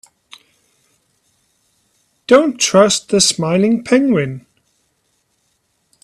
Don't trust the smiling penguin.